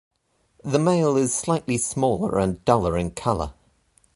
The male is slightly smaller and duller in colour.